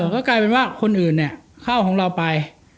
ก็กลายเป็นว่าคนอื่นเนี่ยเข้าของเราไป